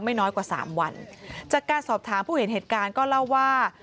น้อยกว่าสามวันจากการสอบถามผู้เห็นเหตุการณ์ก็เล่าว่า